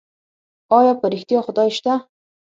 ايا په رښتيا خدای سته؟